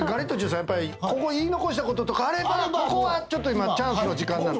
やっぱりここ言い残したこととかあればここはちょっと今チャンスの時間なんで。